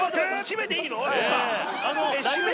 絞めていいの？